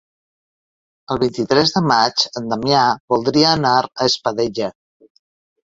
El vint-i-tres de maig en Damià voldria anar a Espadella.